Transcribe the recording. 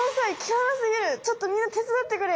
「ちょっとみんな手伝ってくれ！